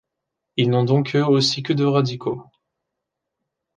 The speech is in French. Ils n'ont donc eux aussi que deux radicaux.